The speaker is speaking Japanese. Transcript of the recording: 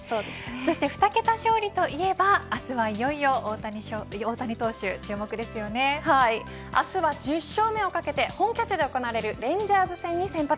そして２桁勝利といえば明日はいよいよ明日は１０勝目を懸けて本拠地で行われるレンジャース戦に先発。